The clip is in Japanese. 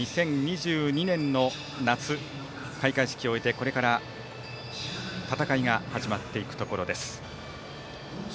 ２０２０年の夏開会式を終えてこれから戦いが始まっていくところです。